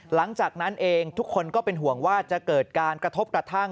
หลังจากนั้นเองทุกคนก็เป็นห่วงว่าจะเกิดการกระทบกระทั่ง